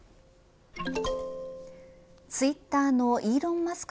ツイッターのイーロン・マスク